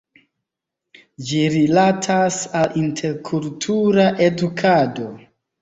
Ĝi rilatas al interkultura edukado.